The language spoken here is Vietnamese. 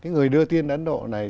người đưa tin ấn độ này